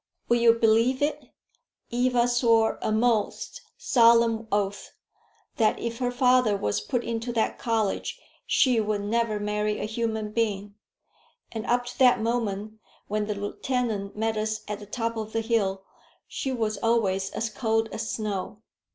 Will you believe it? Eva swore a most solemn oath, that if her father was put into that college she would never marry a human being. And up to that moment when the lieutenant met us at the top of the hill, she was always as cold as snow."